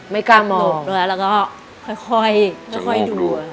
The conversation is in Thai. ไม่กล้ามองด้วยแล้วก็ค่อยดู